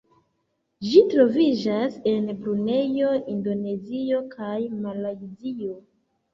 Ĝi troviĝas en Brunejo, Indonezio kaj Malajzio.